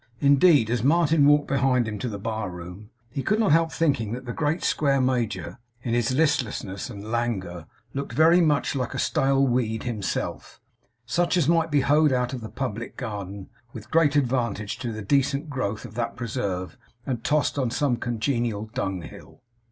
Indeed, as Martin walked behind him to the bar room, he could not help thinking that the great square major, in his listlessness and langour, looked very much like a stale weed himself; such as might be hoed out of the public garden, with great advantage to the decent growth of that preserve, and tossed on some congenial dunghill.